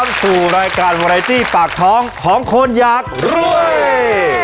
ขอต้อนรับสู่รายการวารายที่ปากท้องของคนอยากรวย